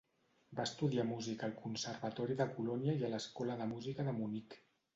Va estudiar música al Conservatori de Colònia i a l'Escola de Música de Munic.